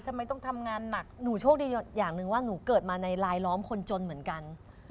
ทำไมต้องทำงานหนักหนูโชคดีอย่างหนึ่งว่าหนูเกิดมาในลายล้อมคนจนเหมือนกัน